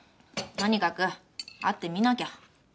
とにかく会ってみなきゃ。